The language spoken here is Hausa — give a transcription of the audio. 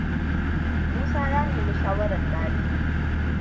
Musa ya nemi shawarar Ladi.